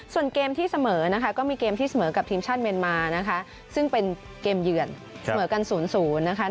ส่วนเกมที่เสมอก็มีเกมที่เสมอกับทีมช่านเมนมาซึ่งเป็นเกมเหยื่อนเสมอกันสูญสูญในทีมเกมมา